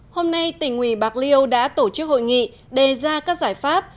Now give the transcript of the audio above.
hôm nay tỉnh ủy bạc liêu đã tổ chức hội nghị đề ra các giải pháp